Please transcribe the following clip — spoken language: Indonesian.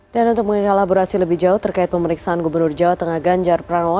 dan untuk mengelaburasi lebih jauh terkait pemeriksaan gubernur jawa tengah ganjar pranowo